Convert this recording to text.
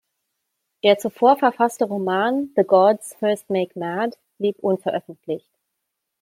Der zuvor verfasste Roman "The Gods first make mad" blieb unveröffentlicht.